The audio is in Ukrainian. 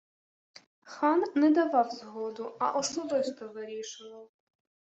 Хан не давав згоду, а особисто вирішував! –